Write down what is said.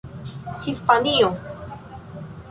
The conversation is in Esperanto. Hispanio